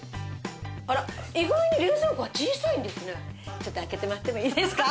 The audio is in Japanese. ちょっと開けてもらってもいいですか？